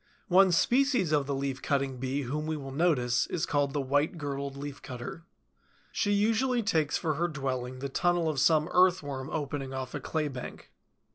One species of the Leaf cutting Bee whom we will notice is called the White girdled Leaf cutter. She usually takes for her dwelling the tunnel of some Earthworm opening off a claybank.